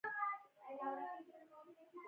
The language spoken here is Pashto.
له انګریزانو څخه یې وغوښتل چې هند ته یې واستوي.